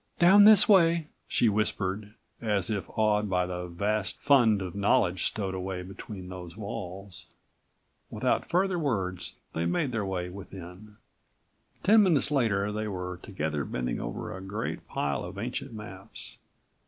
"Down this way," she whispered, as if awed by the vast fund of knowledge stowed away between those walls. Without further words they made their way within. Ten minutes later they were together bending over a great pile of ancient maps.